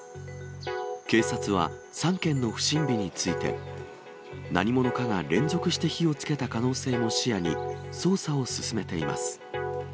警察は３件の不審火について、何者かが連続して火をつけた可能性も視野に、捜査を進めています。